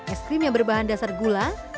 es krim yang berbahan dasar gula telur dan susu ini